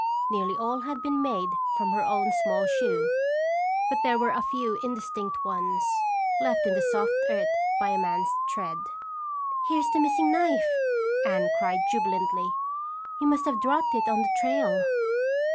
Nearly all had been made from her own small shoe, but there were a few indistinct ones, left in the soft earth by a man's tread. "Here's the missing knife!" Anne cried jubilantly. "You must have dropped it on the trail."